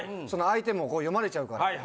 その相手も読まれちゃうから。